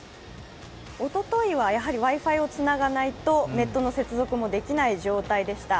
おとといはＷｉ−Ｆｉをつながないとネットの接続もできない状態でした。